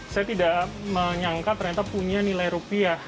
saya tidak menyangka ternyata punya nilai rupiah